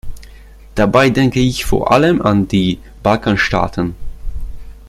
Dabei denke ich vor allem an die Balkanstaaten.